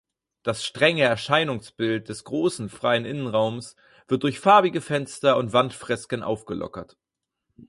Das strenge Erscheinungsbild des großen freien Innenraums wird durch farbige Fenster und Wandfresken aufgelockert.